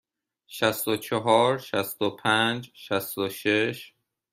شصت و چهار، شصت و پنج، شصت و شش.